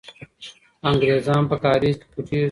انګریزان په کارېز کې پټېږي.